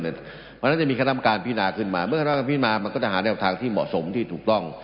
เพราะฉะนั้นจะมีคณะกรรมการพินาขึ้นมาเมื่อคณะกรรมการพิมามันก็จะหาแนวทางที่เหมาะสมที่ถูกต้อง